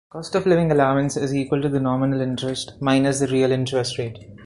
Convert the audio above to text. Cost-of-living allowance is equal to the nominal interest minus the real interest rate.